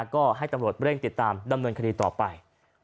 ก็ให้ตำรวจเร่งติดตามดำเนินคดีต่อไป